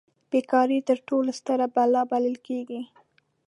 بې کاري تر ټولو ستره بلا بلل کیږي.